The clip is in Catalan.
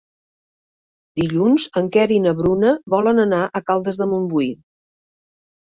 Dilluns en Quer i na Bruna volen anar a Caldes de Montbui.